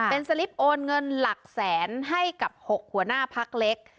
เป็นสลิปโอนเงินหลักแสนให้กับ๖หัวหน้าพักเล็ก